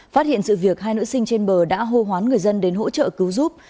phát hiện sự việc hai nữ sinh trên bờ đã hô hoán người dân đến hỗ trợ cứu giúp